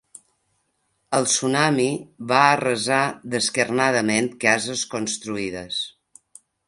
El tsunami va arrasar descarnadament cases construïdes.